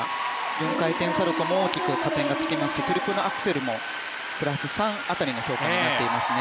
４回転サルコウも大きく加点がつきますしトリプルアクセルもプラス３辺りの評価になっていますね。